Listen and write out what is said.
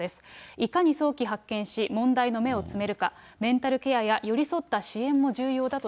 いかに早期発見し、問題の芽を摘めるか、メンタルケアや寄り添っ